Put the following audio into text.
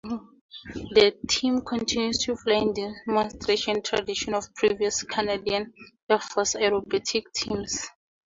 The team continues the flying demonstration tradition of previous Canadian air force aerobatic teams.